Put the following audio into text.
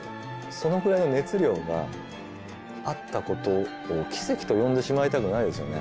そのぐらいの熱量があったことを「奇跡」と呼んでしまいたくないですよね。